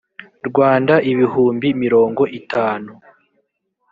rwanda ibihumbi mirongo itanu